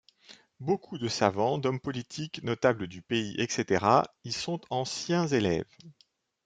Beaucoup de savants, d'hommes politiques, notables du pays, etc. y sont anciens élèves.